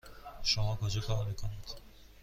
شما کجا کار میکنید؟